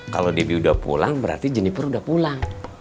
kalau gitu saya pulang berarti jennifer udah pulang